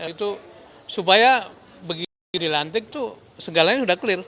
itu supaya begitu dilantik itu segalanya sudah clear